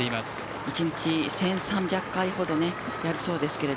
１日１３００回ほどやるそうです。